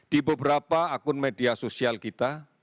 di beberapa akun media sosial kita